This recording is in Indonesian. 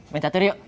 main catur yok